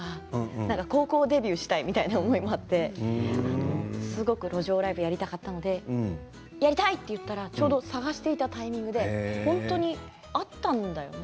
高校デビューしたいという思いもあってすごく路上ライブをやりたかったのでやりたいと言ったらちょうど探していたタイミングで本当に合ったんだよね。